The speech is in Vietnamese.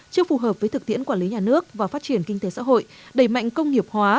chưa phù hợp với thực tiễn quản lý nhà nước và phát triển kinh tế xã hội đẩy mạnh công nghiệp hóa